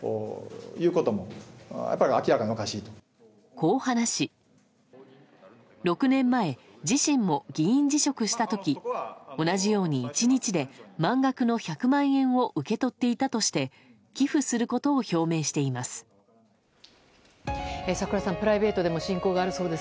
こう話し、６年前自身も議員辞職した時同じように１日で満額の１００万円を受け取っていたとして寄付することを表明しています。